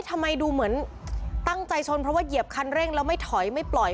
ทำไมดูเหมือนตั้งใจชนเพราะว่าเหยียบคันเร่งแล้วไม่ถอยไม่ปล่อย